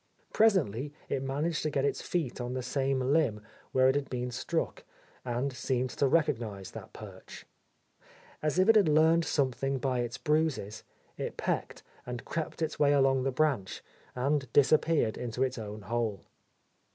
Presently it managed to get its feet on the same limb where it had been struck, and seemed to recognize that perch. As if it had learned something by its bruises, it pecked and crept its way along the branch and disappeared into its own hole.